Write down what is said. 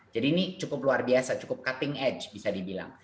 jadi ini cukup luar biasa cukup cutting edge bisa dibilang